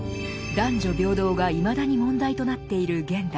男女平等がいまだに問題となっている現代。